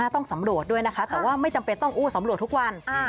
ต้องสำรวจด้วยนะคะแต่ว่าไม่จำเป็นต้องอู้สำรวจทุกวัน